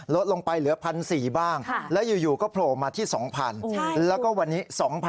ลดลงไปเหลือ๑๔๐๐บ้างแล้วอยู่ก็โผล่มาที่๒๐๐แล้วก็วันนี้๒๐๐๐